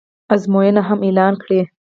ازموینې هم اعلان کړې